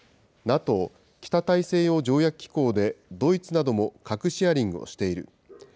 ＮＡＴＯ・北大西洋条約機構でドイツなども核シェアリングをしている。